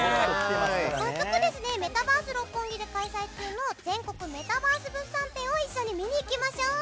早速メタバース六本木で開催中の「全国メタバース物産展」を一緒に見に行きましょう。